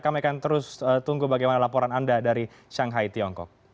kami akan terus tunggu bagaimana laporan anda dari shanghai tiongkok